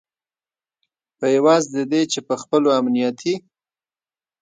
په عوض د دې چې په خپلو امنیتي